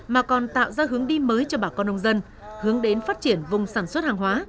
mà còn tạo ra hướng đi mới cho bà con nông dân hướng đến phát triển vùng sản xuất hàng hóa